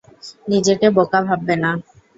নিজেকে বোকা ভাববে না।